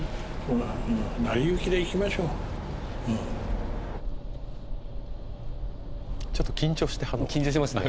成り行きで行きましょうちょっと緊張してはるわ緊張してますね